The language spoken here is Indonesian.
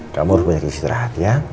kamu harus banyak istirahat ya